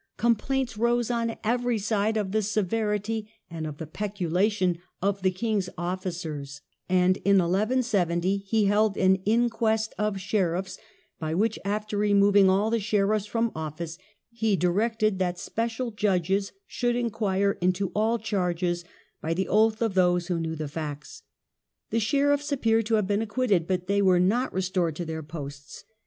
Complaints rose on every side of the severity, The in9ue8t and of the peculation, of the king's officers, o'^shcnffs. and in 1170 he held an Inquest of Sheriffs^ by which, after removing all the sheriffs from office, he directed that special judges should inquire into all charges, by the oath of those who knew the facts. The sheriffs appear to have been acquitted, but they were not restored to their posts.